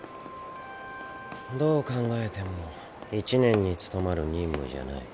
どう考えても一年に務まる任務じゃない。